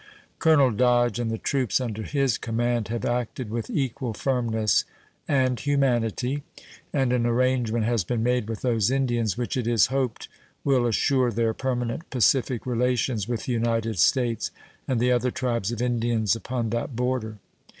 Colonel Dodge and the troops under his command have acted with equal firmness and humanity, and an arrangement has been made with those Indians which it is hoped will assure their permanent pacific relations with the United States and the other tribes of Indians upon that border.